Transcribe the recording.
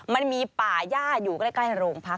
มันมีป่าย่าอยู่ใกล้โรงพัก